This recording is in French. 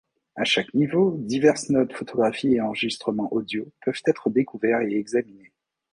À chaque niveau, diverses notes, photographies et enregistrements audio peuvent être découverts et examinés.